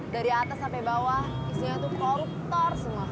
dari atas sampai bawah isinya itu koruptor semua